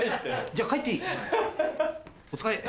じゃあ帰っていい？